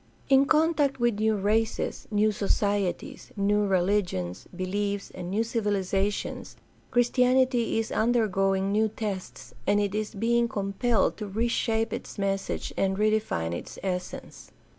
In contact with new races, new societies, new religious beliefs, and new civihzations Christianity is undergoing new tests, and it is being compelled to reshape its message and redefine its essence.